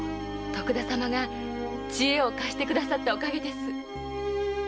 徳田様が知恵を貸してくださったおかげです。